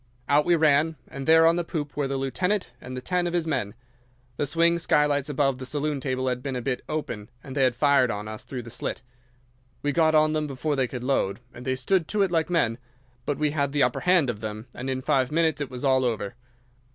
Out we ran, and there on the poop were the lieutenant and ten of his men. The swing skylights above the saloon table had been a bit open, and they had fired on us through the slit. We got on them before they could load, and they stood to it like men; but we had the upper hand of them, and in five minutes it was all over.